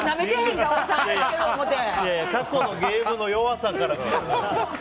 過去のゲームの弱さから。